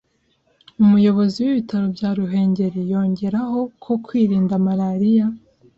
Umuyobozi w’ibitaro bya Ruhengeri yongeraho ko kwirinda malariya